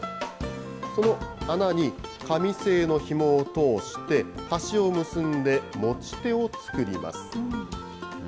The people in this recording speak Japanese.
その穴に紙製のひもを通して、端を結んで持ち手を作ります。